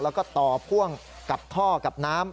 แล้วก็ต่อพ่วงกับท่อกับน้ำ